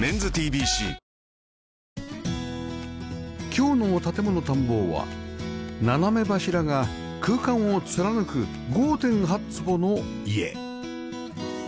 今日の『建もの探訪』は斜め柱が空間を貫く ５．８ 坪の家